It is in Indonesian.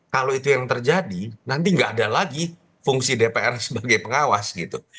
kalau itu yang terjadi nanti nggak ada lagi fungsi dpr sebagai pengawas gitu